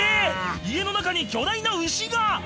家の中に巨大な牛が！